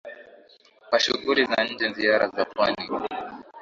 kwa shughuli za nje ziara za pwani